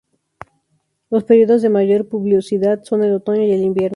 Los períodos de mayor pluviosidad son el otoño y el invierno.